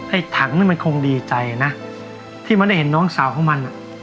ถังนี่มันคงดีใจนะที่มันได้เห็นน้องสาวของมัน